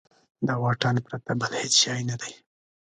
د واټن پرته بل هېڅ شی نه دی.